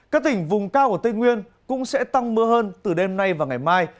các tỉnh vùng cao ở tây nguyên cũng sẽ tăng mưa hơn từ đêm nay và ngày mai